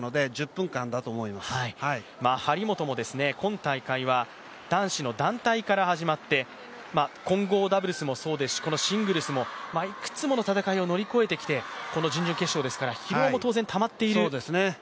張本も今大会は男子の団体から始まって混合ダブルスもそうですし、シングルスも、いくつもの戦いを乗り越えてきて、この準々決勝ですから、疲労も当然たまっている。